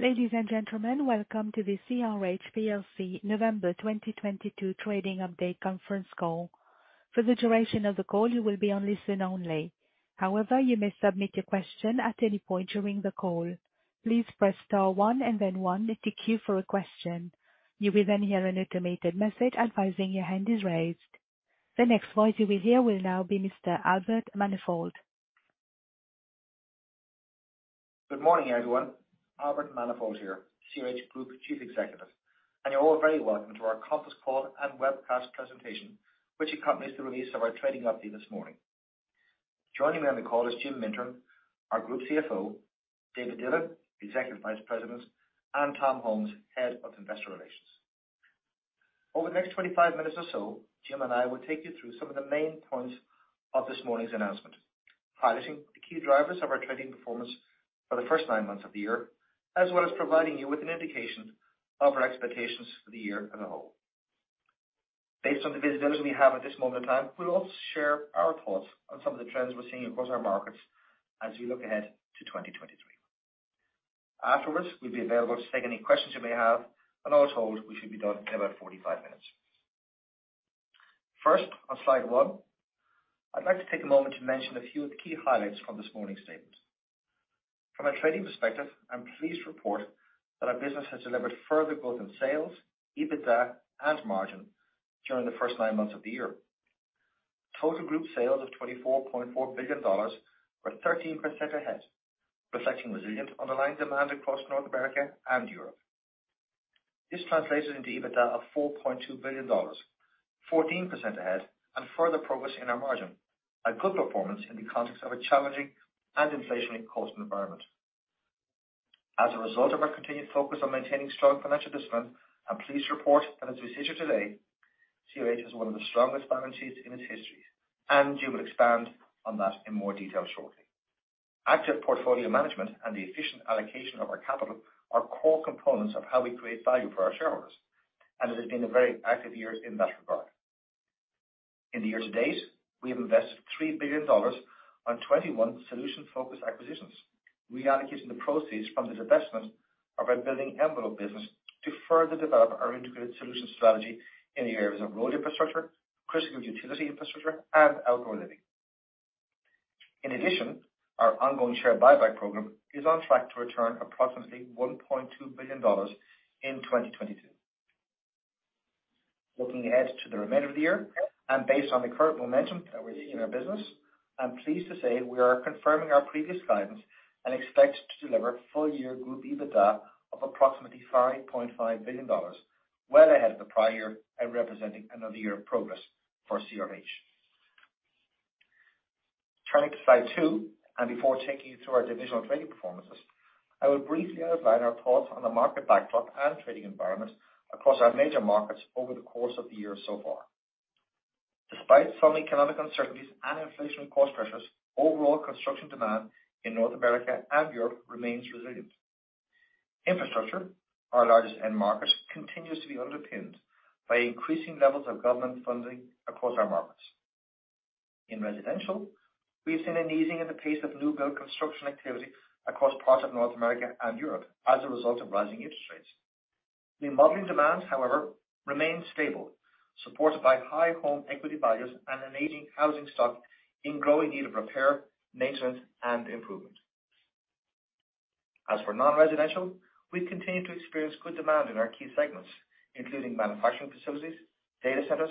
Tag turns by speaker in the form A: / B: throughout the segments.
A: Ladies and gentlemen, welcome to the CRH plc November 2022 trading update conference call. For the duration of the call, you will be on listen only. You may submit your question at any point during the call. Please press star one and then one to queue for a question. You will then hear an automated message advising your hand is raised. The next voice you will hear will now be Mr. Albert Manifold.
B: Good morning, everyone. Albert Manifold here, CRH Group Chief Executive, and you're all very welcome to our conference call and webcast presentation, which accompanies the release of our trading update this morning. Joining me on the call is Jim Mintern, our Group CFO, David Dillon, Executive Vice President, and Tom Holmes, Head of Investor Relations. Over the next 25 minutes or so, Jim and I will take you through some of the main points of this morning's announcement, highlighting the key drivers of our trading performance for the first 9 months of the year, as well as providing you with an indication of our expectations for the year as a whole. Based on the visibility we have at this moment in time, we'll also share our thoughts on some of the trends we're seeing across our markets as we look ahead to 2023. Afterwards, we'll be available to take any questions you may have, and all told, we should be done in about 45 minutes. First, on slide 1, I'd like to take a moment to mention a few of the key highlights from this morning's statement. From a trading perspective, I'm pleased to report that our business has delivered further growth in sales, EBITDA, and margin during the first nine months of the year. Total group sales of $24.4 billion were 13% ahead, reflecting resilient underlying demand across North America and Europe. This translated into EBITDA of $4.2 billion, 14% ahead, and further progress in our margin. A good performance in the context of a challenging and inflationary cost environment. As a result of our continued focus on maintaining strong financial discipline, I'm pleased to report that as we sit here today, CRH has one of the strongest balances in its history, and Jim will expand on that in more detail shortly. Active portfolio management and the efficient allocation of our capital are core components of how we create value for our shareholders, and it has been a very active year in that regard. In the year to date, we have invested $3 billion on 21 solution-focused acquisitions, reallocating the proceeds from the divestment of our Building Envelope business to further develop our integrated solution strategy in the areas of road infrastructure, critical utility infrastructure, and outdoor living. In addition, our ongoing share buyback program is on track to return approximately $1.2 billion in 2022. Looking ahead to the remainder of the year, based on the current momentum in our business, I'm pleased to say we are confirming our previous guidance and expect to deliver full-year group EBITDA of approximately $5.5 billion, well ahead of the prior year and representing another year of progress for CRH. Turning to slide two, before taking you through our divisional trading performances, I will briefly outline our thoughts on the market backdrop and trading environment across our major markets over the course of the year so far. Despite some economic uncertainties and inflation cost pressures, overall construction demand in North America and Europe remains resilient. Infrastructure, our largest end market, continues to be underpinned by increasing levels of government funding across our markets. In residential, we've seen an easing in the pace of new build construction activity across parts of North America and Europe as a result of rising interest rates. Remodeling demands, however, remain stable, supported by high home equity values and an aging housing stock in growing need of repair, maintenance, and improvement. For non-residential, we continue to experience good demand in our key segments, including manufacturing facilities, data centers,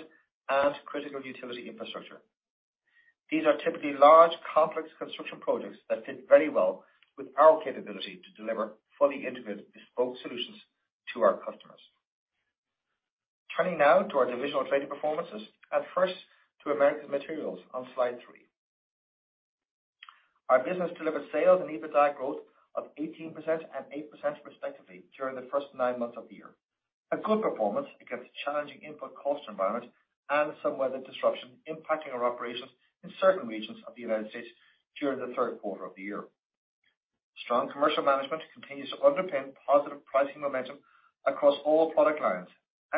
B: and critical utility infrastructure. These are typically large, complex construction projects that fit very well with our capability to deliver fully integrated bespoke solutions to our customers. Turning now to our divisional trading performances, at first to Americas Materials on slide three. Our business delivered sales and EBITDA growth of 18% and 8% respectively during the first nine months of the year. A good performance against a challenging input cost environment and some weather disruption impacting our operations in certain regions of the United States during the third quarter of the year. Strong commercial management continues to underpin positive pricing momentum across all product lines.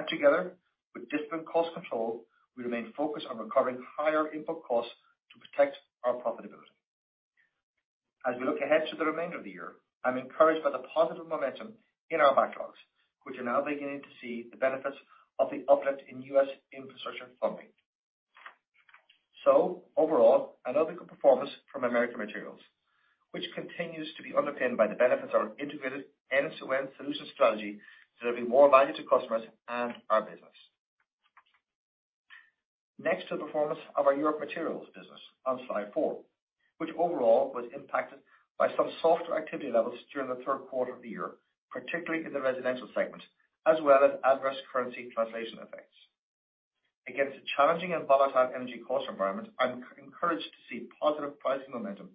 B: Together with different cost control, we remain focused on recovering higher input costs to protect our profitability. As we look ahead to the remainder of the year, I'm encouraged by the positive momentum in our backlogs, which are now beginning to see the benefits of the uplift in U.S infrastructure funding. Overall, another good performance from Americas Materials, which continues to be underpinned by the benefits of our integrated end-to-end solution strategy, delivering more value to customers and our business. Next, to the performance of our Europe Materials business on slide 4, which overall was impacted by some softer activity levels during the third quarter of the year, particularly in the residential segment, as well as adverse currency translation effects. Against a challenging and volatile energy cost environment, I'm encouraged to see positive pricing momentum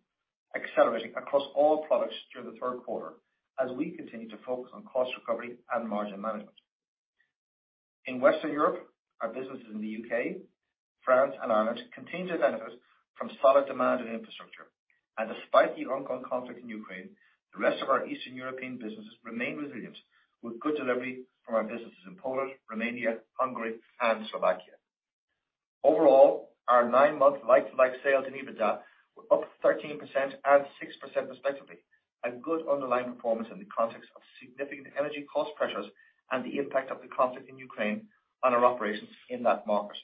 B: accelerating across all products during the third quarter as we continue to focus on cost recovery and margin management. In Western Europe, our businesses in the U.K., France, and Ireland continue to benefit from solid demand in infrastructure. Despite the ongoing conflict in Ukraine, the rest of our Eastern European businesses remain resilient with good delivery from our businesses in Poland, Romania, Hungary, and Slovakia. Overall, our 9-month like-for-like sales and EBITDA were up 13% and 6% respectively, a good underlying performance in the context of significant energy cost pressures and the impact of the conflict in Ukraine on our operations in that market.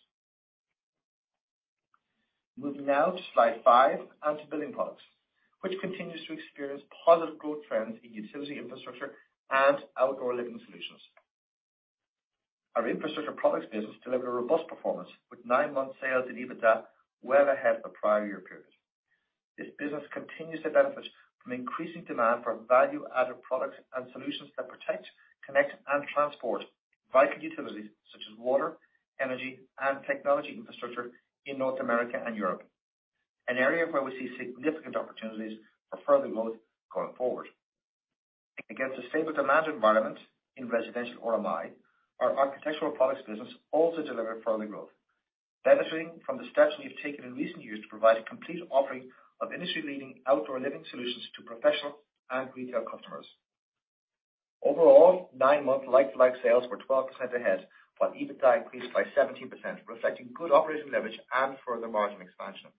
B: Moving now to slide 5 and to Building Products, which continues to experience positive growth trends in utility infrastructure and outdoor living solutions. Our Infrastructure Products business delivered a robust performance, with 9-month sales and EBITDA well ahead of prior year periods. This business continues to benefit from increasing demand for value-added products and solutions that protect, connect, and transport vital utilities such as water, energy, and technology infrastructure in North America and Europe, an area where we see significant opportunities for further growth going forward. Against a stable demand environment in residential RMI, our Architectural Products business also delivered further growth, benefiting from the steps we have taken in recent years to provide a complete offering of industry-leading outdoor living solutions to professional and retail customers. Overall, 9-month like-for-like sales were 12% ahead, while EBITDA increased by 17%, reflecting good operating leverage and further margin expansion.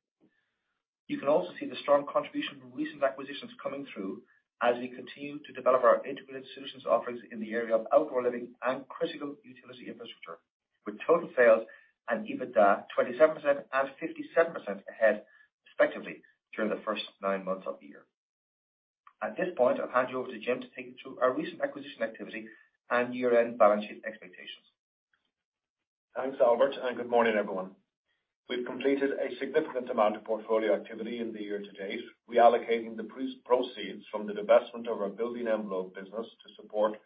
B: You can also see the strong contribution from recent acquisitions coming through as we continue to develop our integrated solutions offerings in the area of outdoor living and critical utility infrastructure, with total sales and EBITDA 27% and 57% ahead respectively during the first nine months of the year. At this point, I'll hand you over to Jim to take you through our recent acquisition activity and year-end balance sheet expectations.
C: Thanks, Albert. Good morning, everyone. We've completed a significant amount of portfolio activity in the year to date, reallocating the pro-proceeds from the divestment of our Building Envelope business to support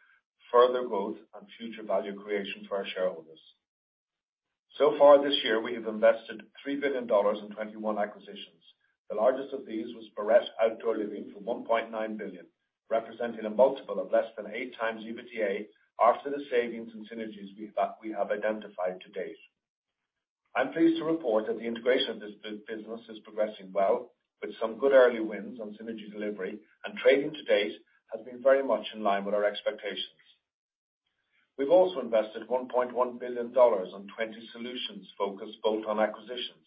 C: further growth and future value creation for our shareholders. So far this year, we have invested $3 billion in 21 acquisitions. The largest of these was Barrette Outdoor Living for $1.9 billion, representing a multiple of less than 8x EBITDA after the savings and synergies we have identified to date. I'm pleased to report that the integration of this business is progressing well with some good early wins on synergy delivery. Trading to date has been very much in line with our expectations. We've also invested $1.1 billion on 20 solutions-focused bolt-on acquisitions.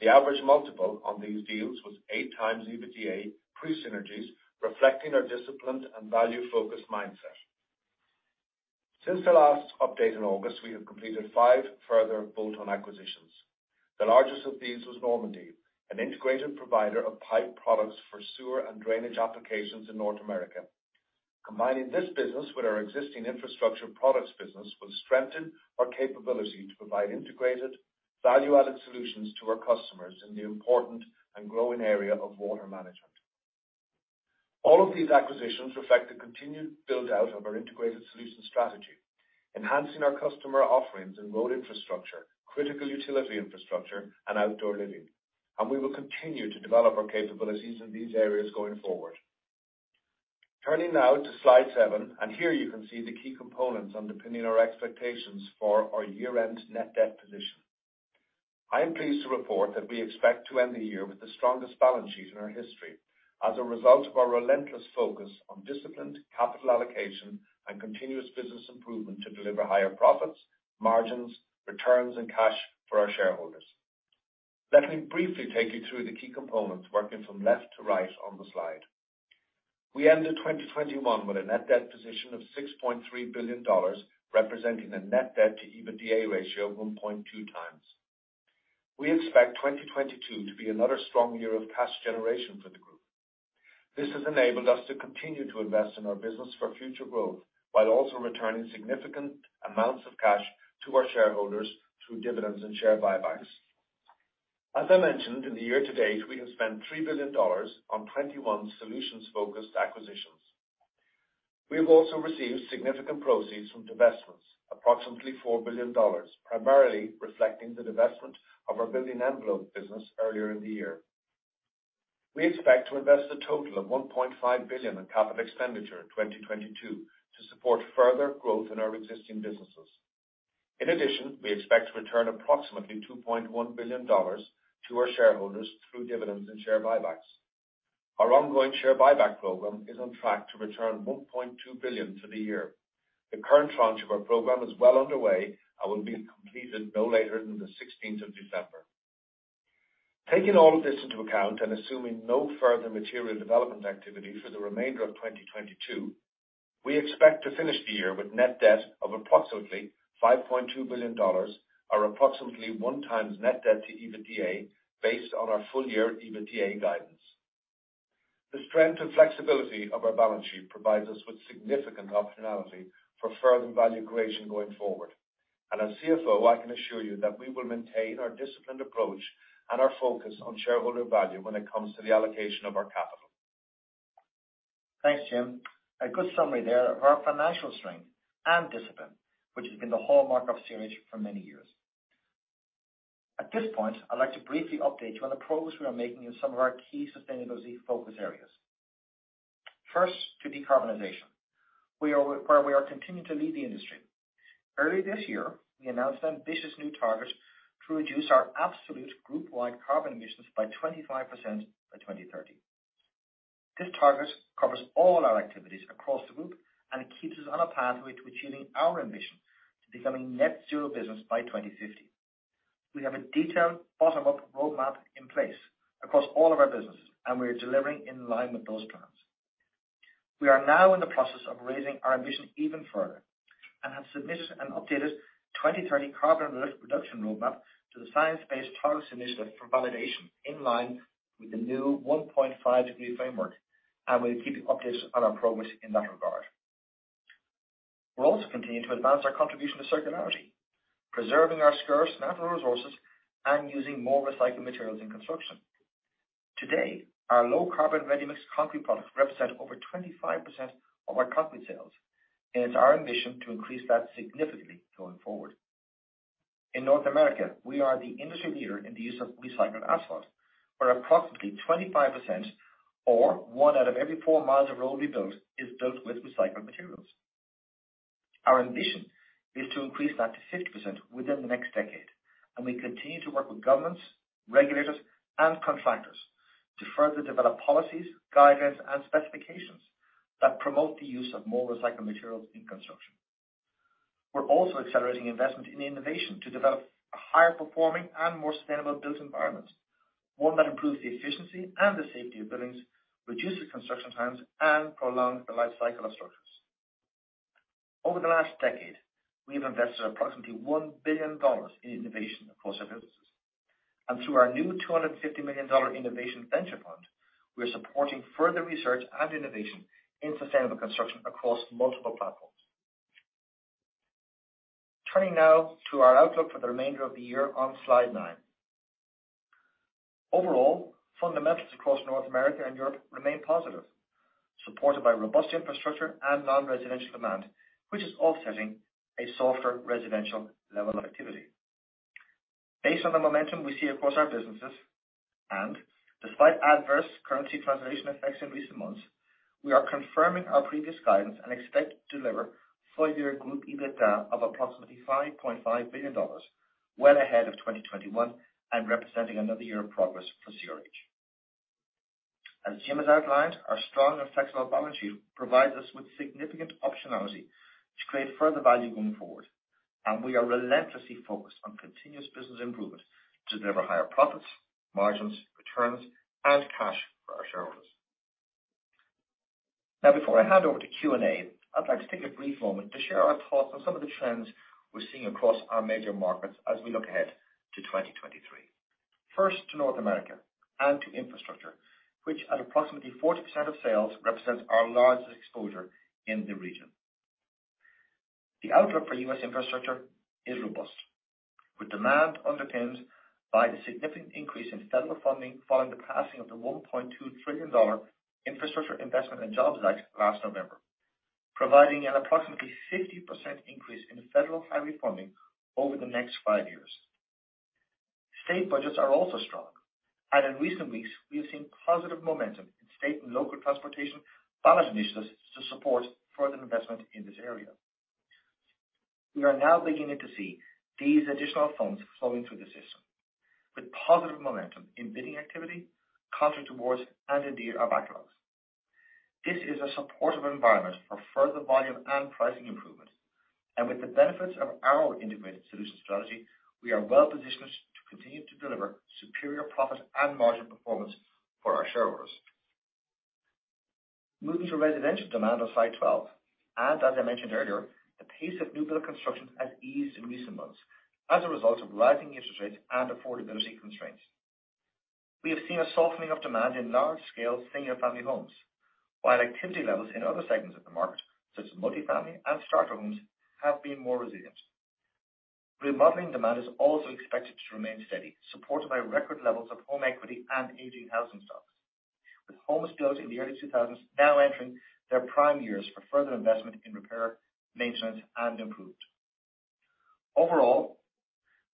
C: The average multiple on these deals was 8x EBITDA pre-synergies, reflecting our disciplined and value-focused mindset. Since the last update in August, we have completed 5 further bolt-on acquisitions. The largest of these was Normandy, an integrated provider of pipe products for sewer and drainage applications in North America. Combining this business with our existing Infrastructure Products business will strengthen our capability to provide integrated, value-added solutions to our customers in the important and growing area of water management. All of these acquisitions reflect the continued build-out of our integrated solutions strategy, enhancing our customer offerings in road infrastructure, critical utility infrastructure, and outdoor living. We will continue to develop our capabilities in these areas going forward. Turning now to slide 7, and here you can see the key components underpinning our expectations for our year-end net debt position. I am pleased to report that we expect to end the year with the strongest balance sheet in our history as a result of our relentless focus on disciplined capital allocation and continuous business improvement to deliver higher profits, margins, returns, and cash for our shareholders. Let me briefly take you through the key components, working from left to right on the slide. We ended 2021 with a net debt position of $6.3 billion, representing a net debt to EBITDA ratio 1.2 times. We expect 2022 to be another strong year of cash generation for the group. This has enabled us to continue to invest in our business for future growth, while also returning significant amounts of cash to our shareholders through dividends and share buybacks. As I mentioned, in the year to date, we have spent $3 billion on 21 solutions-focused acquisitions. We have also received significant proceeds from divestments, approximately $4 billion, primarily reflecting the divestment of our Building Envelope business earlier in the year. We expect to invest a total of $1.5 billion in capital expenditure in 2022 to support further growth in our existing businesses. In addition, we expect to return approximately $2.1 billion to our shareholders through dividends and share buybacks. Our ongoing share buyback program is on track to return $1.2 billion for the year. The current tranche of our program is well underway and will be completed no later than the 16th of December. Taking all of this into account and assuming no further material development activity for the remainder of 2022, we expect to finish the year with net debt of approximately $5.2 billion or approximately 1x net debt to EBITDA based on our full year EBITDA guidance. The strength and flexibility of our balance sheet provides us with significant optionality for further value creation going forward. As CFO, I can assure you that we will maintain our disciplined approach and our focus on shareholder value when it comes to the allocation of our capital.
B: Thanks, Jim. A good summary there of our financial strength and discipline, which has been the hallmark of CRH for many years. At this point, I'd like to briefly update you on the progress we are making in some of our key sustainability focus areas. First, to decarbonization. Where we are continuing to lead the industry. Early this year, we announced ambitious new targets to reduce our absolute group-wide carbon emissions by 25% by 2030. This target covers all our activities across the group, and it keeps us on a path to achieving our ambition to becoming net zero business by 2050. We have a detailed bottom-up roadmap in place across all of our businesses, and we are delivering in line with those plans. We are now in the process of raising our ambition even further and have submitted an updated 2030 carbon reduction roadmap to the Science Based Targets initiative for validation in line with the new 1.5°C framework. We'll keep you updated on our progress in that regard. We'll also continue to advance our contribution to circularity, preserving our scarce natural resources and using more recycled materials in construction. Today, our low carbon ready-mix concrete products represent over 25% of our concrete sales, and it's our ambition to increase that significantly going forward. In North America, we are the industry leader in the use of recycled asphalt, where approximately 25% or one out of every four miles of road we build is built with recycled materials. Our ambition is to increase that to 50% within the next decade. We continue to work with governments, regulators, and contractors to further develop policies, guidelines, and specifications that promote the use of more recycled materials in construction. We're also accelerating investment in innovation to develop a higher performing and more sustainable built environment, one that improves the efficiency and the safety of buildings, reduces construction times, and prolong the life cycle of structures. Over the last decade, we have invested approximately $1 billion in innovation across our businesses. Through our new $250 million innovation venture fund, we are supporting further research and innovation in sustainable construction across multiple platforms. Turning now to our outlook for the remainder of the year on slide 9. Overall, fundamentals across North America and Europe remain positive, supported by robust infrastructure and non-residential demand, which is offsetting a softer residential level of activity. Despite adverse currency translation effects in recent months, we are confirming our previous guidance and expect to deliver full year group EBITDA of approximately $5.5 billion, well ahead of 2021 and representing another year of progress for CRH. As Jim has outlined, our strong and flexible balance sheet provides us with significant optionality to create further value going forward. We are relentlessly focused on continuous business improvement to deliver higher profits, margins, returns, and cash for our shareholders. Before I hand over to Q&A, I'd like to take a brief moment to share our thoughts on some of the trends we're seeing across our major markets as we look ahead to 2023. First, to North America and to infrastructure, which at approximately 40% of sales represents our largest exposure in the region. The outlook for U.S. infrastructure is robust, with demand underpins by the significant increase in federal funding following the passing of the $1.2 trillion Infrastructure Investment and Jobs Act last November. Providing an approximately 50% increase in federal highway funding over the next 5 years. State budgets are also strong, and in recent weeks we have seen positive momentum in state and local transportation bond initiatives to support further investment in this area. We are now beginning to see these additional funds flowing through the system with positive momentum in bidding activity, contract awards, and indeed our backlogs. This is a supportive environment for further volume and pricing improvements. With the benefits of our integrated solution strategy, we are well-positioned to continue to deliver superior profit and margin performance for our shareholders. Moving to residential demand on slide 12. As I mentioned earlier, the pace of new build construction has eased in recent months as a result of rising interest rates and affordability constraints. We have seen a softening of demand in large-scale single-family homes. While activity levels in other segments of the market, such as multifamily and starter homes, have been more resilient. Remodeling demand is also expected to remain steady, supported by record levels of home equity and aging housing stocks, with homes built in the early 2000s now entering their prime years for further investment in repair, maintenance, and improvement. Overall,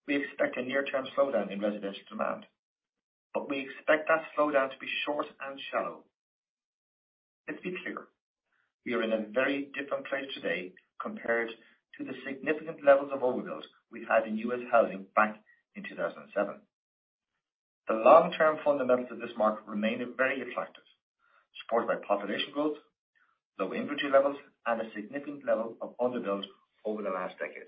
B: we expect a near-term slowdown in residential demand, but we expect that slowdown to be short and shallow. Let's be clear, we are in a very different place today compared to the significant levels of overbuild we had in U.S. housing back in 2007. The long-term fundamentals of this market remain very attractive, supported by population growth, low inventory levels, and a significant level of underbuild over the last decade.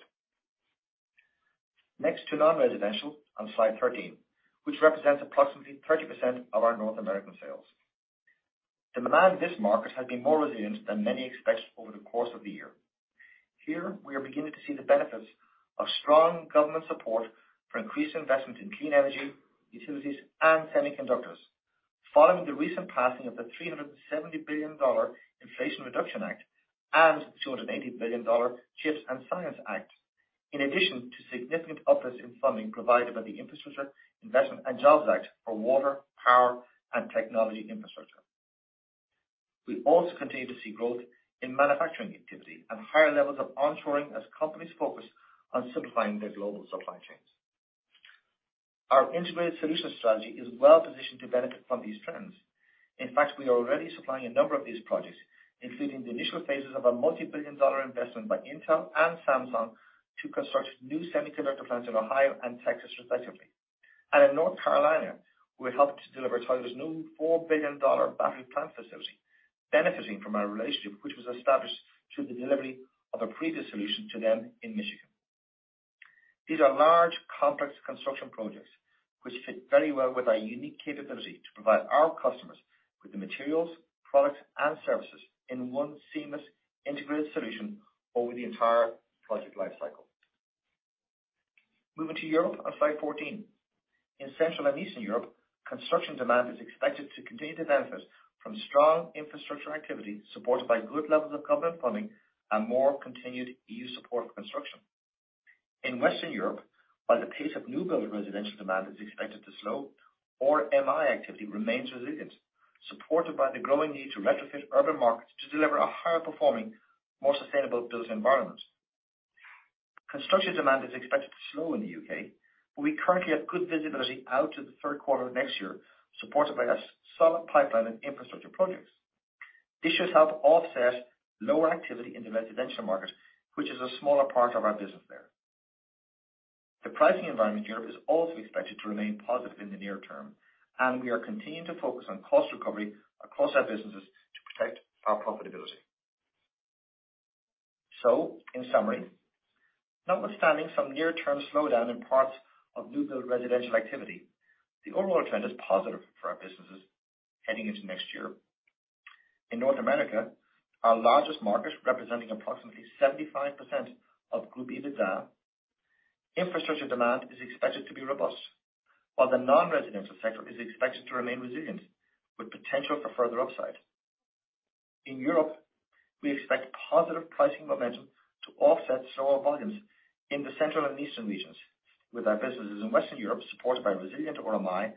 B: Next to non-residential on slide 13, which represents approximately 30% of our North American sales. The demand in this market has been more resilient than many expected over the course of the year. Here we are beginning to see the benefits of strong government support for increased investment in clean energy, utilities, and semiconductors following the recent passing of the $370 billion Inflation Reduction Act and $280 billion CHIPS and Science Act. In addition to significant uplift in funding provided by the Infrastructure Investment and Jobs Act for water, power, and technology infrastructure. We also continue to see growth in manufacturing activity and higher levels of onshoring as companies focus on simplifying their global supply chains. Our integrated solutions strategy is well-positioned to benefit from these trends. In fact, we are already supplying a number of these projects, including the initial phases of a multi-billion dollar investment by Intel and Samsung to construct new semiconductor plants in Ohio and Texas respectively. In North Carolina, we helped to deliver Toyota's new $4 billion battery plant facility, benefiting from our relationship, which was established through the delivery of a previous solution to them in Michigan. These are large, complex construction projects which fit very well with our unique capability to provide our customers with the materials, products, and services in one seamless, integrated solution over the entire project life cycle. Moving to Europe on slide 14. In Central and Eastern Europe, construction demand is expected to continue to benefit from strong infrastructure activity, supported by good levels of government funding and more continued EU support for construction. In Western Europe, while the pace of new build residential demand is expected to slow, RMI activity remains resilient, supported by the growing need to retrofit urban markets to deliver a higher performing, more sustainable built environment. Construction demand is expected to slow in the U.K. We currently have good visibility out to the third quarter of next year, supported by a solid pipeline of infrastructure projects. This should help offset lower activity in the residential market, which is a smaller part of our business there. The pricing environment in Europe is also expected to remain positive in the near term, and we are continuing to focus on cost recovery across our businesses to protect our profitability. In summary, notwithstanding some near-term slowdown in parts of new build residential activity, the overall trend is positive for our businesses heading into next year. In North America, our largest market, representing approximately 75% of group EBITDA, infrastructure demand is expected to be robust. While the non-residential sector is expected to remain resilient with potential for further upside. In Europe, we expect positive pricing momentum to offset slower volumes in the central and eastern regions, with our businesses in Western Europe supported by resilient RMI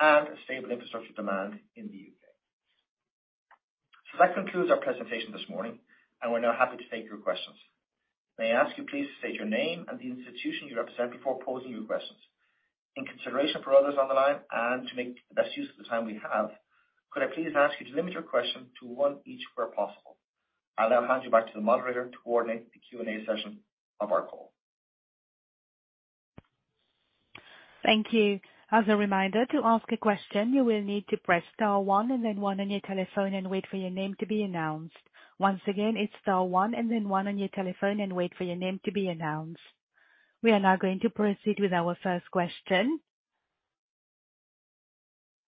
B: and stable infrastructure demand in the U.K. That concludes our presentation this morning, and we're now happy to take your questions. May I ask you please to state your name and the institution you represent before posing your questions. In consideration for others on the line and to make the best use of the time we have, could I please ask you to limit your question to one each where possible. I'll now hand you back to the moderator to coordinate the Q&A session of our call.
A: Thank you. As a reminder, to ask a question, you will need to press star 1 and then 1 on your telephone and wait for your name to be announced. Once again, it's star 1 and then 1 on your telephone and wait for your name to be announced. We are now going to proceed with our first question.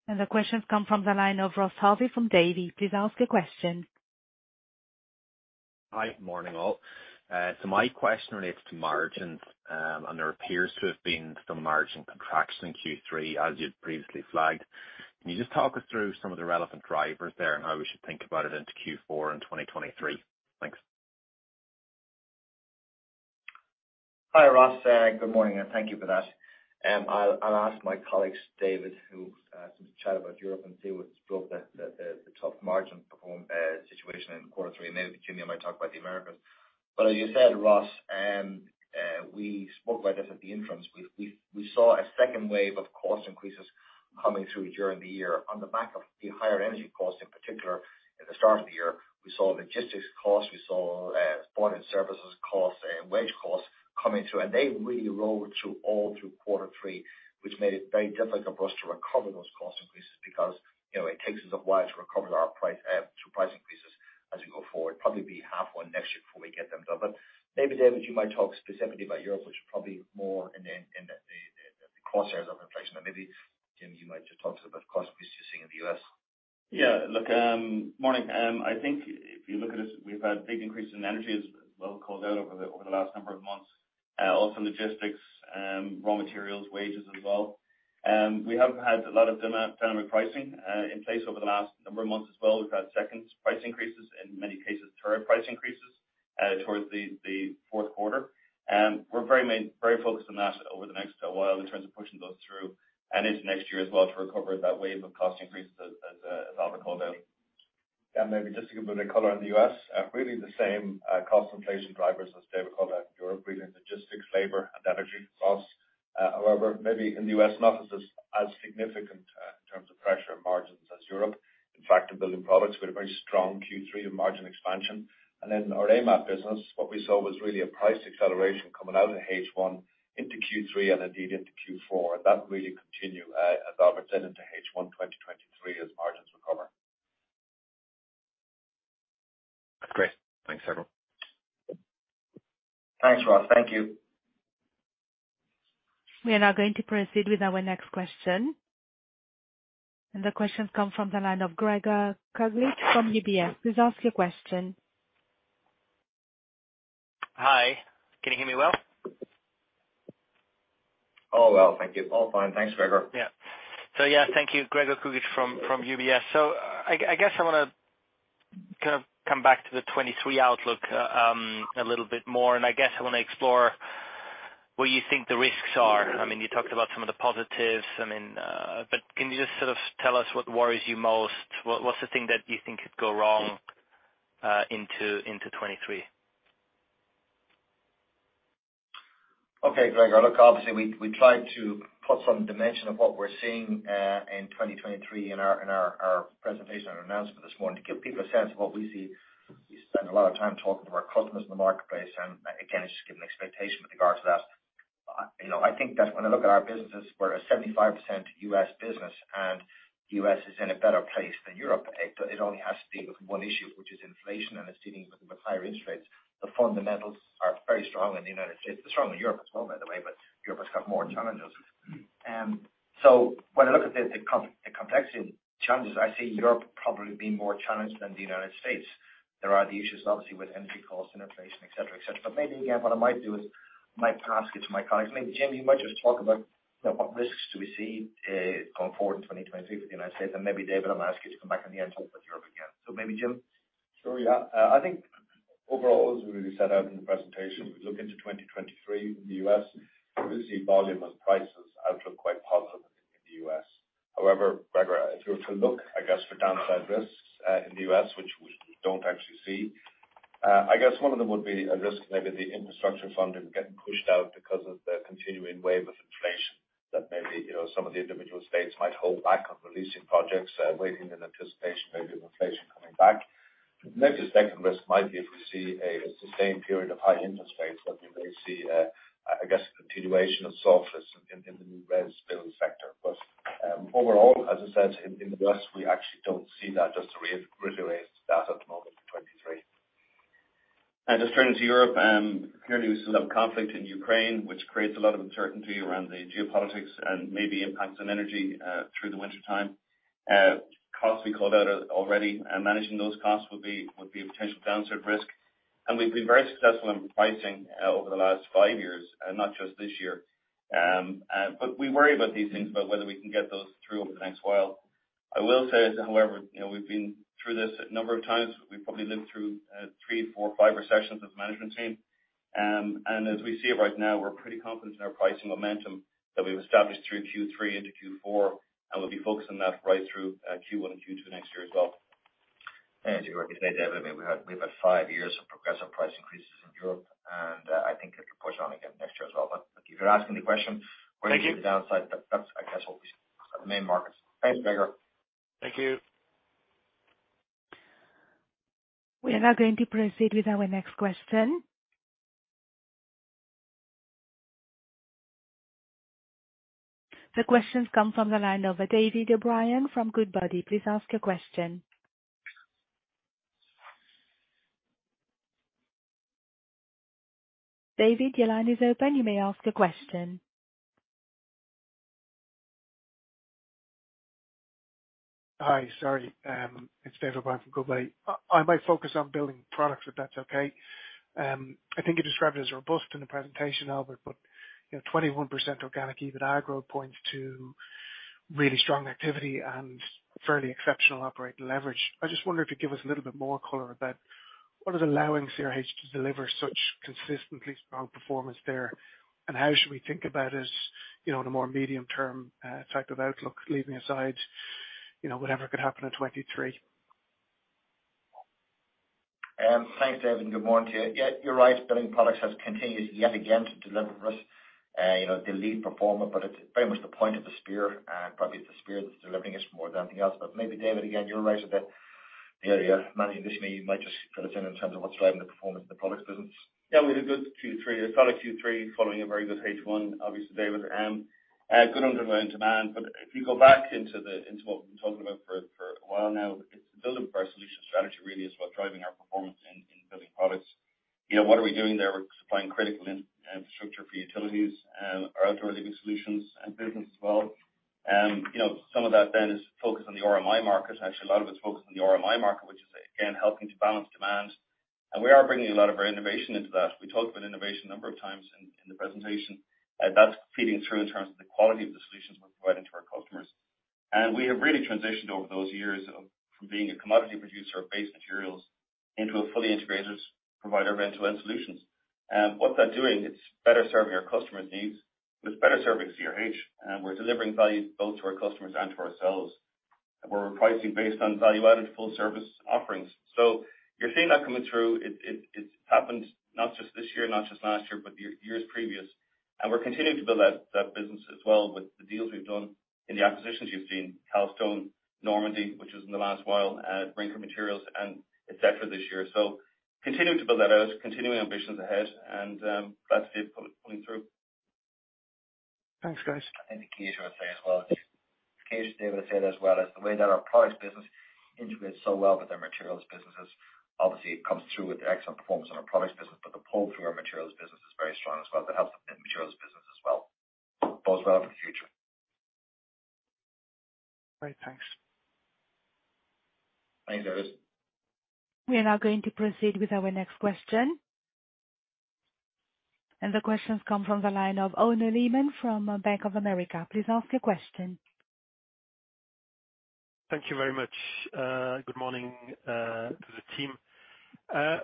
A: The question's come from the line of Ross Harvey from Davy. Please ask your question.
D: Hi, morning all. My question relates to margins. There appears to have been some margin contraction in Q3 as you'd previously flagged. Can you just talk us through some of the relevant drivers there and how we should think about it into Q4 in 2023? Thanks.
B: Hi, Ross. Good morning, and thank you for that. I'll ask my colleagues, David, who wants to chat about Europe and see what's drove the tough margin perform situation in quarter three, and maybe Jimmy might talk about the Americas. As you said, Ross, we spoke about this at the entrance. We saw a second wave of cost increases coming through during the year on the back of the higher energy costs in particular in the start of the year. We saw logistics costs, we saw bonded services costs and wage costs coming through, and they really rolled through all through quarter three, which made it very difficult for us to recover those cost increases because it takes us a while to recover our price through price increases as we go forward. Probably be half one next year before we get them done. Maybe, David, you might talk specifically about Europe, which is probably more in the cause areas of inflation. Maybe, Jim, you might just talk to us about cost increases you're seeing in the U.S.
E: Yeah. Look, morning. I think if you look at us, we've had big increases in energy, as well called out over the last number of months. Also logistics, raw materials, wages as well. We have had a lot of dynamic pricing in place over the last number of months as well. We've had second price increases, in many cases third price increases, towards the fourth quarter. We're very focused on that over the next while in terms of pushing those through and into next year as well to recover that wave of cost increases as Albert called out.
B: Maybe just to give a bit of color on the U.S., really the same cost inflation drivers as David called out in Europe, really logistics, labor and energy costs. However, maybe in the U.S. not as significant, in terms of pressure and margins as Europe. In fact, in Building Products, we had a very strong Q3 in margin expansion. Then in our AMAP business, what we saw was really a price acceleration coming out in H1 into Q3 and indeed into Q4. That will really continue as Albert said, into H1 2023 as margins recover.
D: That's great. Thanks, everyone.
B: Thanks, Ross. Thank you.
A: We are now going to proceed with our next question. The question's come from the line of Gregor Kuglitsch from UBS. Please ask your question.
F: Hi. Can you hear me well?
B: All well, thank you. All fine. Thanks, Gregor.
F: Thank you, Gregor Kuglitsch from UBS. I guess I wanna kind of come back to the 2023 outlook a little bit more. I guess I wanna explore where you think the risks are. You talked about some of the positives. I mean, can you just sort of tell us what worries you most? What's the thing that you think could go wrong into 2023?
B: Okay, Gregor. Look, obviously we tried to put some dimension of what we're seeing in 2023 in our presentation and announcement this morning to give people a sense of what we see. We spend a lot of time talking to our customers in the marketplace, again, just give an expectation with regards to that. I think that when I look at our businesses, we're a 75% U.S business, U.S is in a better place than Europe today. It only has to be with one issue, which is inflation and is dealing with higher interest rates. The fundamentals are very strong in the United States. They're strong in Europe as well, by the way, Europe has got more challenges. When I look at the complexity of challenges, I see Europe probably being more challenged than the United States. There are the issues, obviously, with energy costs, inflation, et cetera, et cetera. Maybe, again, what I might do is I might pass it to my colleagues. Maybe Jim, you might just talk about what risks do we see going forward in 2023 for the United States. Maybe David, I'll ask you to come back in the end, talk about Europe again. Maybe Jim.
E: Sure, yeah. I think overall, as we set out in the presentation, we look into 2023 in the U.S., we see volume as prices outlook quite positive in the U.S. However, Gregor, if you were to look, I guess, for downside risks in the U.S., which we don't actually see, I guess one of them would be a risk maybe the infrastructure funding getting pushed out because of the continuing wave of inflation that maybe some of the individual states might hold back on releasing projects, waiting in anticipation maybe of inflation coming back. Maybe a second risk might be if we see a sustained period of high interest rates where we may see a, I guess, a continuation of softness in the new res build sector. Overall, as I said, in the U.S., we actually don't see that as the real greater risk that at the moment in 23.
B: Just turning to Europe, clearly we still have conflict in Ukraine, which creates a lot of uncertainty around the geopolitics and maybe impacts on energy through the wintertime. Costs we called out already, and managing those costs would be a potential downside risk. We've been very successful in pricing over the last 5 years, and not just this year. We worry about these things, about whether we can get those through over the next while. I will say that, however we've been through this a number of times. We probably lived through three, four, five recessions as a management team. As we see it right now, we're pretty confident in our pricing momentum that we've established through Q3 into Q4, and we'll be focusing that right through Q1 and Q2 next year as well. As you rightly say, David, I mean, we've had five years of progressive price increases in Europe, I think it will push on again next year as well. If you're asking the. Thank you.
E: What are the downsides? That, that's I guess what we see as the main markets. Thanks, Gregor.
B: Thank you.
A: We are now going to proceed with our next question. The question's come from the line of David O'Brien from Goodbody. Please ask your question. David, your line is open. You may ask a question.
G: It's David O'Brien from Goodbody. I might focus on Building Products, if that's okay. I think you described it as robust in the presentation, Albert 21% organic EBITA growth points to really strong activity and fairly exceptional operating leverage. I just wonder if you could give us a little bit more color about what is allowing CRH to deliver such consistently strong performance there, and how should we think about it, on a more medium term type of outlook, leaving aside whatever could happen in 23.
B: Thanks, David. Good morning to you. Yeah, you're right. Building Products has continued yet again to deliver us the lead performer, but it's very much the point of the spear. Probably it's the spear that's delivering us more than anything else. Maybe David, again, you're right about the area. Managing this, maybe you might just fill us in in terms of what's driving the performance in the Products business.
E: Yeah, we had a good Q3. A solid Q3 following a very good H1, obviously, David. A good underlying demand. If you go back into what we've been talking about for a while now, it's the build of our solution strategy really is what's driving our performance in Building Products. what are we doing there? We're supplying critical infrastructure for utilities, our outdoor living solutions and business as well. Some of that then is focused on the RMI market. Actually, a lot of it's focused on the RMI market, which is again, helping to balance demand. We are bringing a lot of our innovation into that. We talked about innovation a number of times in the presentation. That's feeding through in terms of the quality of the solutions we're providing to our customers. We have really transitioned over those years of from being a commodity producer of base materials into a fully integrated provider of end-to-end solutions. What that doing, it's better serving our customers' needs and it's better serving CRH, and we're delivering value both to our customers and to ourselves. We're pricing based on value-added full service offerings. You're seeing that coming through. It's happened not just this year, not just last year, but years previous. We're continuing to build that business as well with the deals we've done in the acquisitions you've seen, Calstone, Normandy, which was in the last while, Rinker Materials, and etc this year. Continuing to build that out, continuing ambitions ahead and that's it pulling through.
G: Thanks, guys.
B: The key to our thing as well, key to David saying as well, is the way that our products business integrates so well with our materials businesses. Obviously, it comes through with the excellent performance in our products business, but the pull through our materials business is very strong as well. That helps the materials business as well. Bodes well for the future.
G: Great. Thanks.
B: Thanks, David.
A: We are now going to proceed with our next question. The question's come from the line of Arnaud Lehmann from Bank of America. Please ask your question.
H: Thank you very much. Good morning to the team.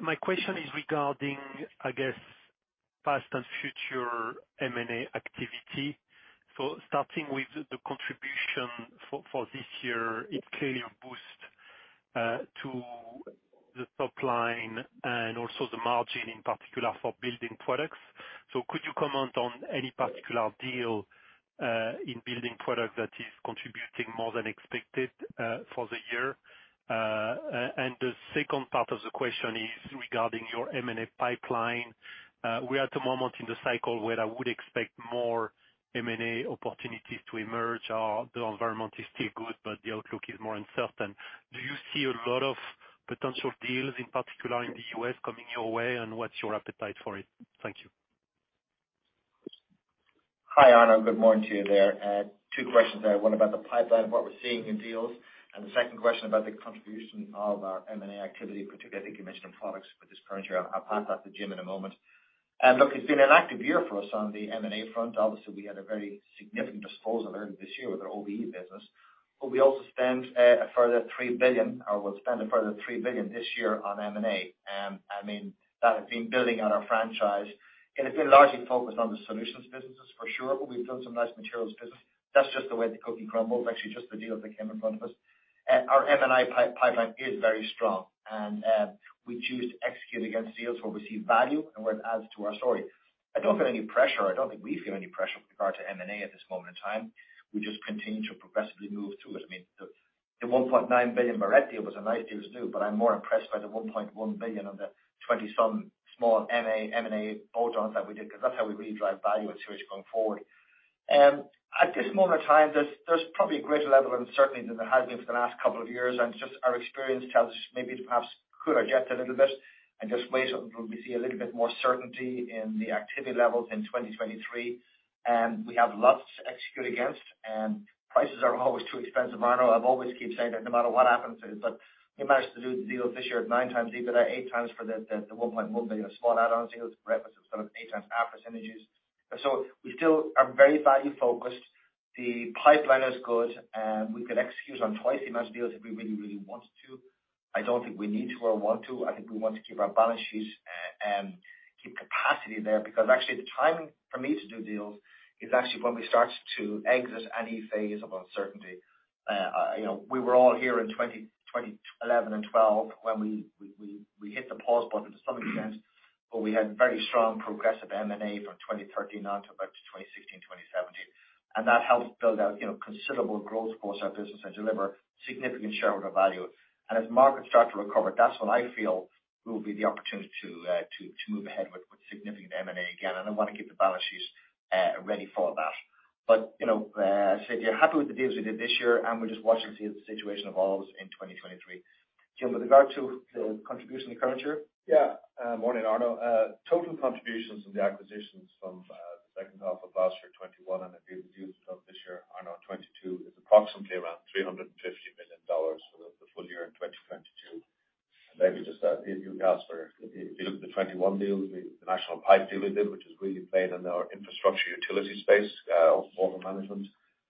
H: My question is regarding, I guess, past and future M&A activity. Starting with the contribution for this year, it clearly boosts to the top line and also the margin, in particular, for Building Products. Could you comment on any particular deal in Building Products that is contributing more than expected for the year? The second part of the question is regarding your M&A pipeline. We are at the moment in the cycle where I would expect more M&A opportunities to emerge. The environment is still good, but the outlook is more uncertain. Do you see a lot of potential deals, in particular in the U.S., coming your way, and what's your appetite for it? Thank you.
B: Hi, Arnaud. Good morning to you there. Two questions there, one about the pipeline, what we're seeing in deals, and the second question about the contribution of our M&A activity, particularly I think you mentioned products for this current year. I'll pass back to Jim in a moment. Look, it's been an active year for us on the M&A front. Obviously, we had a very significant disposal earlier this year with our OBE business. We also spent a further $3 billion, or will spend a further $3 billion this year on M&A. I mean, that has been building on our franchise, and it's been largely focused on the solutions businesses for sure, but we've done some nice materials business. That's just the way the cookie crumbled, actually just the deals that came in front of us. Our M&I pipeline is very strong, and we choose to execute against deals where we see value and where it adds to our story. I don't feel any pressure. I don't think we feel any pressure with regard to M&A at this moment in time. We just continue to progressively move to it. I mean, the $1.9 billion Barrette deal was a nice deal to do, but I'm more impressed by the $1.1 billion of the 20-some small M&A add-ons that we did, 'cause that's how we really drive value at Switch going forward. At this moment in time, there's probably a greater level of uncertainty than there has been for the last couple of years, and just our experience tells us maybe to perhaps cool our jets a little bit and just wait until we see a little bit more certainty in the activity levels in 2023. We have lots to execute against, and prices are always too expensive, Arno. I've always keep saying that no matter what happens. We managed to do the deals this year at 9x EBITDA, 8x for the $1.1 billion small add-on deals we referenced was kind of 8x average synergies. We still are very value focused. The pipeline is good. We could execute on twice the amount of deals if we really wanted to. I don't think we need to or want to. I think we want to keep our balance sheets, keep capacity there because actually the timing for me to do deals is actually when we start to exit any phase of uncertainty. We were all here in 2011 and 2012 when we hit the pause button to some extent, but we had very strong progressive M&A from 2013 on till about 2016, 2017. That helped build out considerable growth for our business and deliver significant shareholder value. As markets start to recover, that's when I feel will be the opportunity to move ahead with significant M&A again. I want to keep the balance sheets ready for that. As I said, yeah, happy with the deals we did this year, and we're just watching to see if the situation evolves in 2023. Jim, with regard to the contribution of the current year?
C: Morning, Arno. Total contributions from the acquisitions from the second half of last year, 2021, and the deals done this year, Arno, 2022, is approximately around $350 million for the full year in 2022. Maybe just add a few details for you. If you look at the 2021 deals, the National Pipe deal we did, which has really played in our infrastructure utility space, water management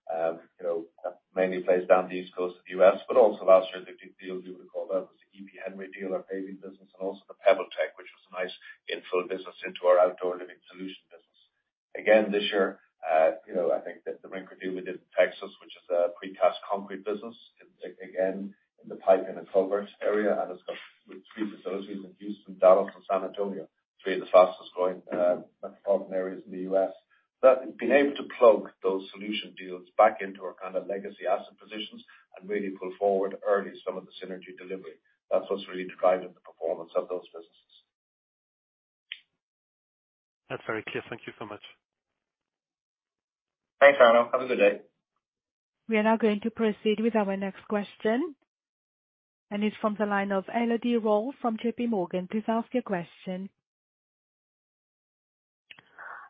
C: that mainly plays down the East Coast of the U.S. Also last year, the big deal if you recall that was the EP Henry deal, our paving business, and also the PebbleTech, which was a nice infill business into our outdoor living solution business. This year, I think that the Rinker deal we did in Texas, which is a precast concrete business, it's, again, in the pipe and the culvert area, and it's got 3 facilities in Houston, Dallas, and San Antonio, three of the fastest growing, metropolitan areas in the U.S. Being able to plug those solution deals back into our kind of legacy asset positions and really pull forward early some of the synergy delivery, that's what's really driving the performance of those businesses.
H: That's very clear. Thank you so much.
B: Thanks, Arno. Have a good day.
A: We are now going to proceed with our next question, and it's from the line of Elodie Rall from JP Morgan. Please ask your question.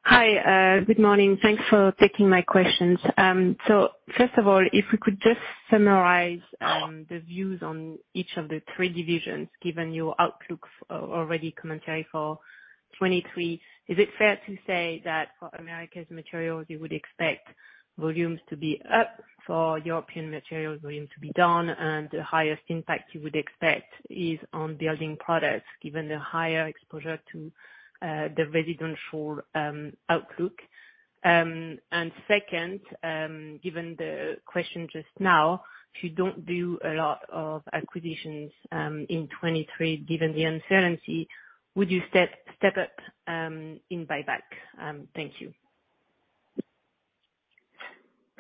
I: Hi. Good morning. Thanks for taking my questions. First of all, if we could just summarize the views on each of the three divisions, given your outlook or already commentary for 2023. Is it fair to say that for Americas Materials, you would expect volumes to be up, for Europe Materials, volumes to be down, and the highest impact you would expect is on Building Products given the higher exposure to the residential outlook? Second, given the question just now, if you don't do a lot of acquisitions in 2023, given the uncertainty, would you step up in buyback? Thank you.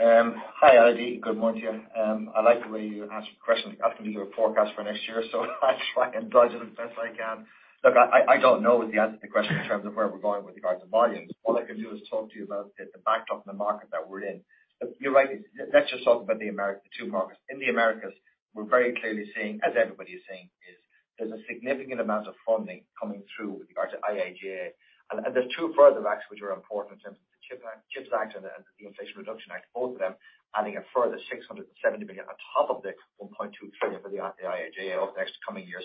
B: Hi, Elodie. Good morning to you. I like the way you ask questions. You asked me to do a forecast for next year. I'll try and dodge it as best I can. Look, I don't know is the answer to the question in terms of where we're going with regards to volumes. All I can do is talk to you about the backdrop and the market that we're in. You're right. Let's just talk about the two markets. In the Americas, we're very clearly seeing, as everybody is seeing, there's a significant amount of funding coming through with regards to IIJA. There's two further acts which are important in terms of the CHIPS Act and the Inflation Reduction Act, both of them adding a further $670 billion on top of the $1.2 trillion for the IIJA over the next coming years.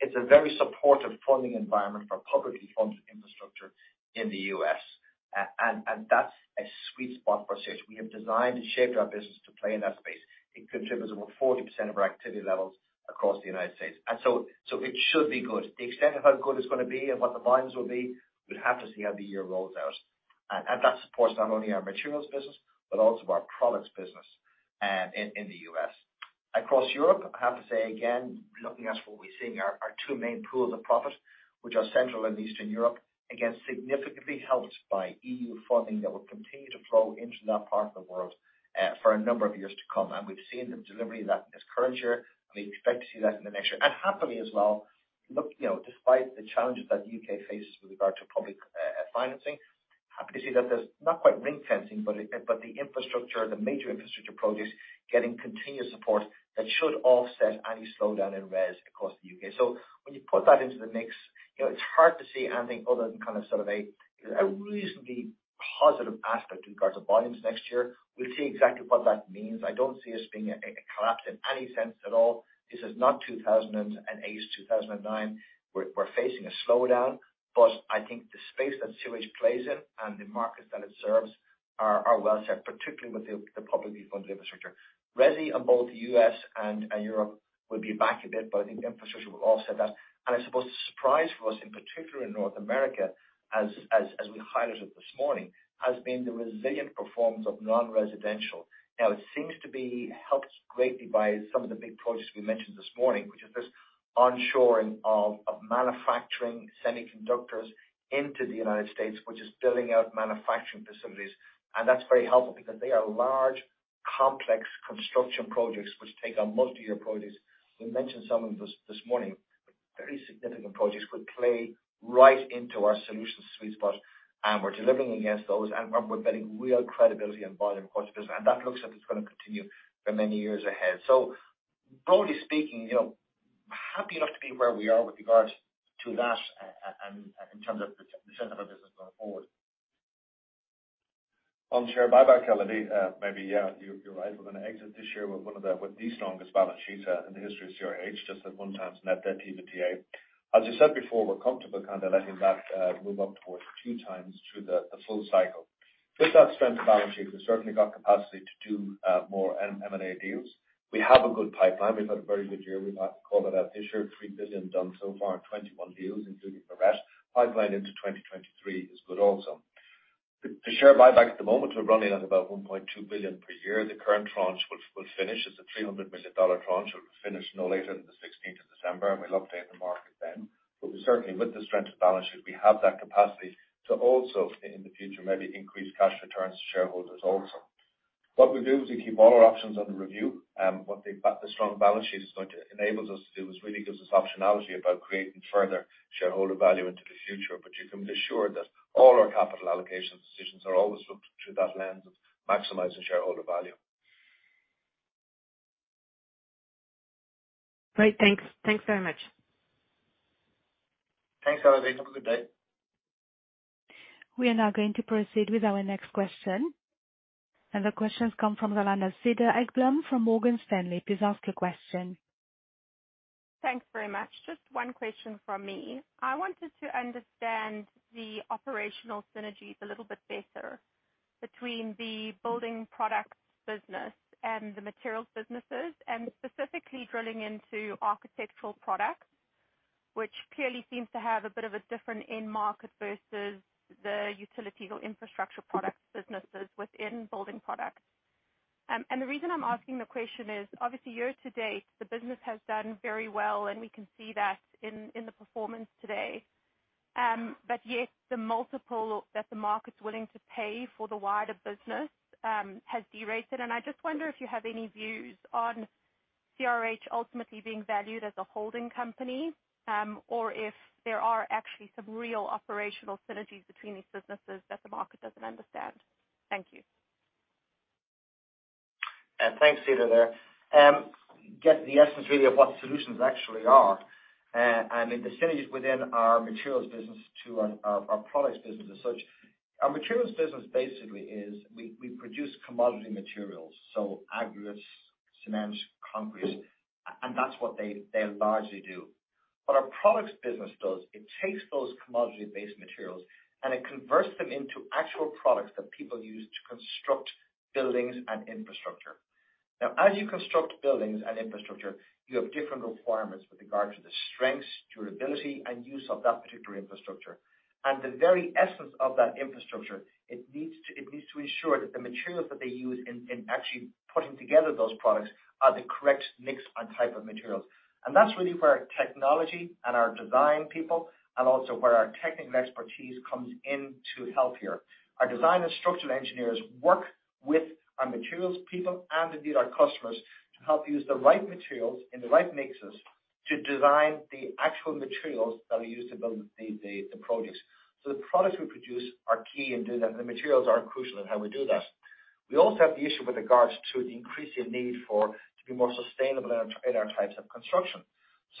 B: It's a very supportive funding environment for publicly funded infrastructure in the U.S. That's a sweet spot for Switch. We have designed and shaped our business to play in that space. It contributes over 40% of our activity levels across the United States. So it should be good. The extent of how good it's gonna be and what the volumes will be, we'd have to see how the year rolls out. That supports not only our materials business, but also our products business in the U.S. Across Europe, I have to say again, looking at what we're seeing, our two main pools of profit, which are Central and Eastern Europe, again, significantly helped by EU funding that will continue to flow into that part of the world for a number of years to come. We've seen the delivery of that in this current year, and we expect to see that in the next year. Happily as well, look despite the challenges that the U.K. faces with regard to public financing, happy to see that there's not quite ring-fencing, but the infrastructure, the major infrastructure projects getting continuous support that should offset any slowdown in res across the U.K. When you put that into the mix it's hard to see anything other than kind of sort of a reasonably positive aspect in regards of volumes next year. We'll see exactly what that means. I don't see us being a collapse in any sense at all. This is not 2008, 2009. We're facing a slowdown, but I think the space that CRH plays in and the markets that it serves are well set, particularly with the publicly funded infrastructure. Resi on both the U.S and Europe will be back a bit, but I think infrastructure will offset that. I suppose the surprise for us, in particular in North America, as we highlighted this morning, has been the resilient performance of non-residential. It seems to be helped greatly by some of the big projects we mentioned this morning, which is this onshoring of manufacturing semiconductors into the United States, which is building out manufacturing facilities. That's very helpful because they are large, complex construction projects which take on multi-year projects. We mentioned some of them this morning, but very significant projects could play right into our solutions sweet spot, and we're delivering against those. We're building real credibility and volume across the business, and that looks like it's gonna continue for many years ahead. Broadly speaking, happy enough to be where we are with regards to that and in terms of the center of our business going forward. On share buyback, Elodie, maybe, yeah, you're right. We're gonna exit this year with the strongest balance sheets in the history of CRH, just at 1 times net debt to EBITDA. As you said before, we're comfortable kind of letting that move up towards 2 times through the full cycle. With that strength of balance sheet, we've certainly got capacity to do more M&A deals. We have a good pipeline. We've had a very good year. We've called it out this year, $3 billion done so far, 21 deals, including Barrette. Pipeline into 2023 is good also. The share buyback at the moment, we're running at about $1.2 billion per year. The current tranche will finish. It's a $300 million tranche. It will finish no later than the 16th of December, and we'll update the market then. Certainly with the strength of balance sheet, we have that capacity to also in the future maybe increase cash returns to shareholders also. What we do is we keep all our options under review, what the strong balance sheet enables us to do is really gives us optionality about creating further shareholder value into the future. You can be assured that all our capital allocation decisions are always looked through that lens of maximizing shareholder value.
J: Great. Thanks. Thanks very much.
B: Thanks, Elodie. Have a good day.
A: We are now going to proceed with our next question. The question's come from Cedar Ekblom from Morgan Stanley. Please ask your question.
K: Thanks very much. Just one question from me. I wanted to understand the operational synergies a little bit better between the Building Products business and the Materials businesses, and specifically drilling into Architectural Products, which clearly seems to have a bit of a different end market versus the utilities or Infrastructure Products businesses within Building Products. The reason I'm asking the question is, obviously year-to-date, the business has done very well, and we can see that in the performance today. Yet the multiple that the market's willing to pay for the wider business has derated. I just wonder if you have any views on CRH ultimately being valued as a holding company, or if there are actually some real operational synergies between these businesses that the market doesn't understand. Thank you.
B: Thanks, Cedar, there. Get the essence really of what solutions actually are, and the synergies within our materials business to our products business as such. Our materials business basically is we produce commodity materials, so aggregates, cements, concrete, and that's what they largely do. What our products business does, it takes those commodity-based materials, and it converts them into actual products that people use to construct buildings and infrastructure. Now, as you construct buildings and infrastructure, you have different requirements with regard to the strengths, durability, and use of that particular infrastructure. The very essence of that infrastructure, it needs to ensure that the materials that they use in actually putting together those products are the correct mix and type of materials. That's really where our technology and our design people, and also where our technical expertise comes in to help here. Our design and structural engineers work with our materials people and indeed our customers to help use the right materials in the right mixes to design the actual materials that are used to build the products. The products we produce are key in doing that, and the materials are crucial in how we do that. We also have the issue with regards to the increasing need to be more sustainable in our, in our types of construction.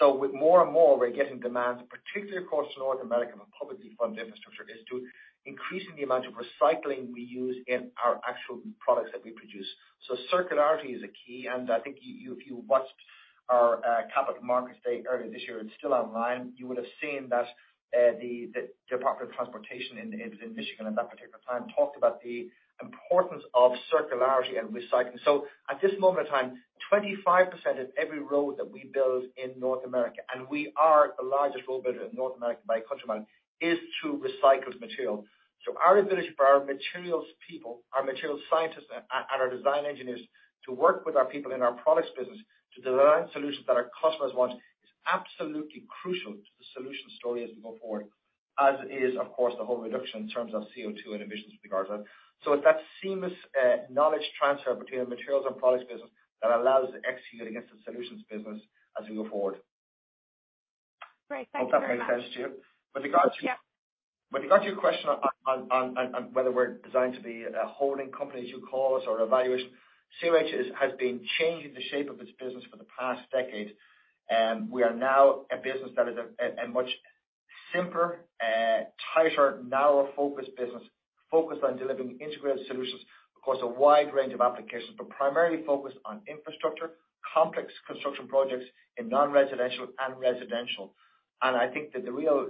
B: With more and more, we're getting demands, particularly across North America, from a publicly funded infrastructure, is to increasing the amount of recycling we use in our actual products that we produce. Circularity is a key, and I think you, if you watch Our capital markets day earlier this year, it's still online. You would have seen that the Department of Transportation in Michigan at that particular time talked about the importance of circularity and recycling. At this moment in time, 25% of every road that we build in North America, and we are the largest road builder in North America by a country mile, is through recycled material. Our ability for our materials people, our materials scientists, and our design engineers to work with our people in our products business to develop solutions that our customers want is absolutely crucial to the solution story as we go forward, as is of course, the whole reduction in terms of CO2 and emissions with regards to that. It's that seamless knowledge transfer between materials and products business that allows to execute against the solutions business as we move forward.
E: Great. Thank you very much.
B: Hope that makes sense to you.
E: Yeah.
B: With regard to your question on whether we're designed to be a holding company, as you call us, or our valuation, CRH has been changing the shape of its business for the past decade. We are now a business that is a much simpler, tighter, narrower focused business, focused on delivering integrated solutions across a wide range of applications, but primarily focused on infrastructure, complex construction projects in non-residential and residential. I think that the real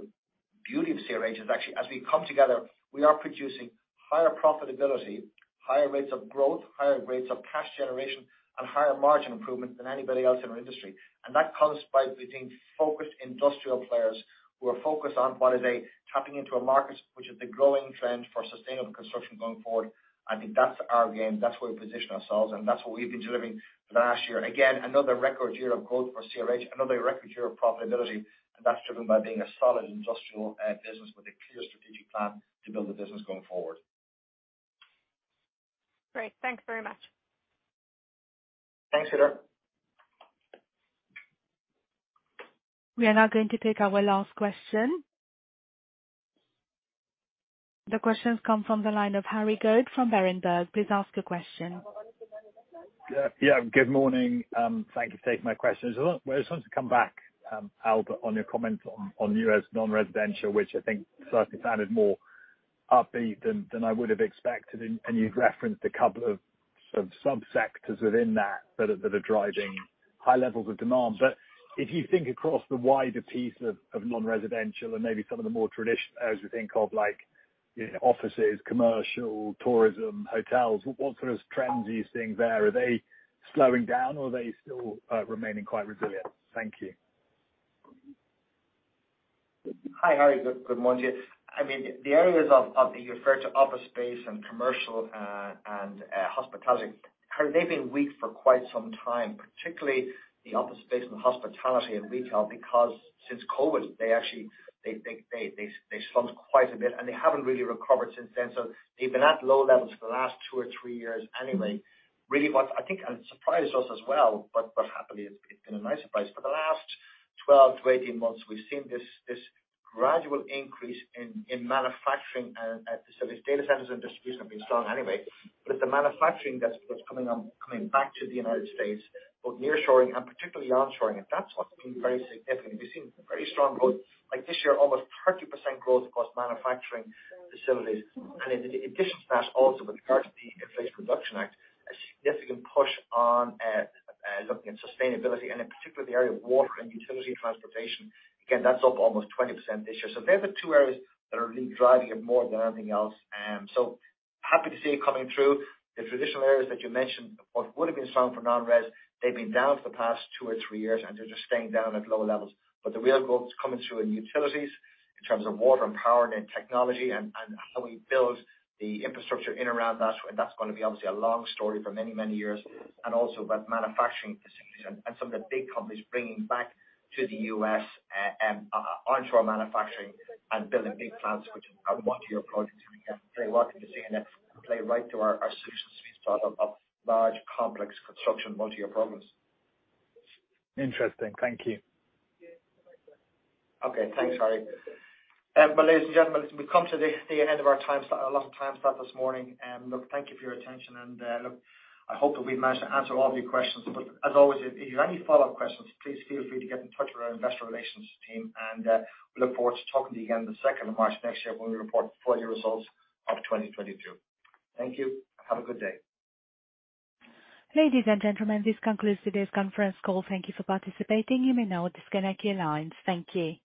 B: beauty of CRH is actually as we come together, we are producing higher profitability, higher rates of growth, higher rates of cash generation, and higher margin improvement than anybody else in our industry. That comes by being focused industrial players who are focused on what is a tapping into a market which is the growing trend for sustainable construction going forward. I think that's our game, that's where we position ourselves, and that's what we've been delivering for the last year. Again, another record year of growth for CRH, another record year of profitability, and that's driven by being a solid industrial business with a clear strategic plan to build the business going forward.
E: Great. Thanks very much.
B: Thanks, Heather.
A: We are now going to take our last question. The question's come from the line of Harry Goad from Berenberg. Please ask your question.
L: Yeah. Good morning. Thank you for taking my questions. I just want to come back, Albert, on your comments on U.S non-residential, which I think certainly sounded more upbeat than I would have expected. You've referenced a couple of sub-sectors within that that are driving high levels of demand. If you think across the wider piece of non-residential and maybe some of the more traditional as we think of like offices, commercial, tourism, hotels, what sort of trends are you seeing there? Are they slowing down or are they still remaining quite resilient? Thank you.
B: Hi, Harry. Good, good morning to you. I mean, the areas of that you refer to office space and commercial and hospitality, Harry, they've been weak for quite some time, particularly the office space and hospitality and retail, because since COVID, they actually shrunk quite a bit and they haven't really recovered since then. They've been at low levels for the last two-three years anyway. Really what I think, and surprised us as well, but happily, it's been a nice surprise. For the last 12-18 months, we've seen this gradual increase in manufacturing and facilities. Data centers industry has been strong anyway. It's the manufacturing that's coming on, coming back to the United States, both near-shoring and particularly on-shoring. That's what's been very significant. We've seen very strong growth. Like this year, almost 30% growth across manufacturing facilities. In addition to that, also with regards to the Inflation Reduction Act, a significant push on looking at sustainability and in particular the area of water and utility transportation. That's up almost 20% this year. They're the two areas that are really driving it more than anything else. Happy to see it coming through. The traditional areas that you mentioned, what would have been strong for non-res, they've been down for the past two or three years, and they're just staying down at low levels. The real growth is coming through in utilities in terms of water and power and technology and how we build the infrastructure in around that. That's gonna be obviously a long story for many, many years. Also about manufacturing facilities and some of the big companies bringing back to the U.S., onshore manufacturing and building big plants which are multi-year projects. Again, very welcome to see. It play right to our solutions sweet spot of large complex construction multi-year programs.
L: Interesting. Thank you.
B: Okay. Thanks, Harry. Ladies and gentlemen, we've come to the end of our time slot, our allotted time slot this morning. Look, thank you for your attention. Look, I hope that we've managed to answer all of your questions. As always, if you've any follow-up questions, please feel free to get in touch with our investor relations team, we look forward to talking to you again the 2nd of March next year when we report the full year results of 2022. Thank you. Have a good day.
A: Ladies and gentlemen, this concludes today's conference call. Thank you for participating. You may now disconnect your lines. Thank you.